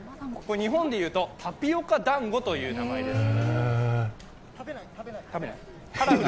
日本で言うと、タピオカ団子という名前です。